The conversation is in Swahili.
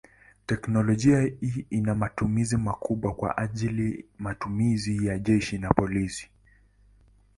Teknolojia hii ina matumizi makubwa kwa ajili matumizi ya jeshi na polisi.